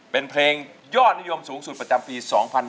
เป็นเพลงยอดนิยมสูงสุดประจำปี๒๕๕๙